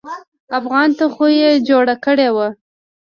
افغان ته خو يې جوړه کړې وه.